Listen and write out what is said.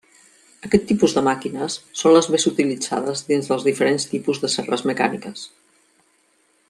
Aquest tipus de màquines són les més utilitzades dins dels diferents tipus de serres mecàniques.